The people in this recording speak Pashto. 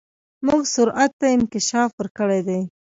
موږ سرعت ته انکشاف ورکړی دی.